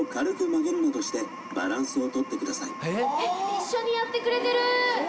一緒にやってくれてる！